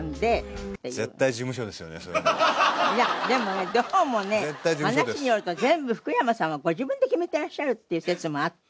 いやでもねどうもね話によると全部福山さんがご自分で決めてらっしゃるっていう説もあって。